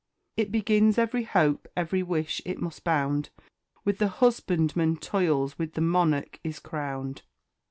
It begins every hope, every wish it must bound, With the husbandman toils, with the monarch is crowned.